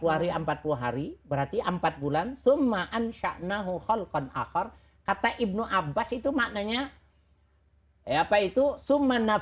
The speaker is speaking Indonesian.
empat puluh hari empat puluh hari berarti empat bulan sumaan sya'nahu kholqon akhor kata ibnu abbas itu maknanya apa itu